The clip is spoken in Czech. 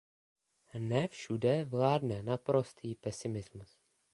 Ne všude vládne naprostý pesimismus.